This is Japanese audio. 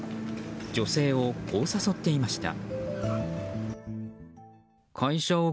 女性を、こう誘っていました。